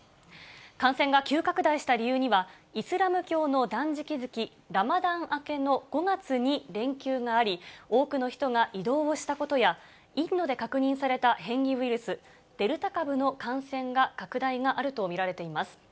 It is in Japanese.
感染が急拡大した理由には、イスラム教の断食月、ラマダン明けの５月に連休があり、多くの人が移動をしたことや、インドで確認された変異ウイルス、デルタ株の感染が拡大があると見られています。